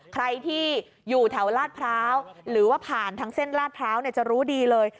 ใครที่อยู่แถวลาดพร้าวหรือว่าผ่านทางเส้นลาดพร้าวจะรู้ดีเลย